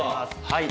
はい。